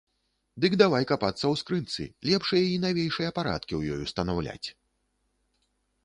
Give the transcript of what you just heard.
Дык давай капацца ў скрынцы, лепшыя й навейшыя парадкі ў ёй устанаўляць.